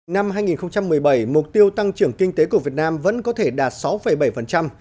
năm hai nghìn một mươi bảy mục tiêu tăng trưởng kinh tế của việt nam vẫn có thể đạt sáu bảy